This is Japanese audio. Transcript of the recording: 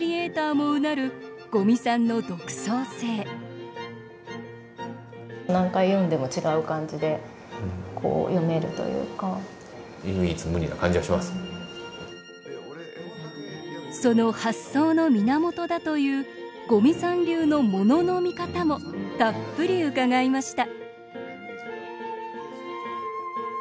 もうなる五味さんの独創性その発想の源だという五味さん流の“ものの見方”もたっぷり伺いました